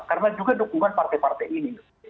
karena juga dukungan partai partai ini